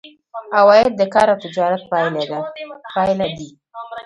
عواید د کار او تجارت پایله دي.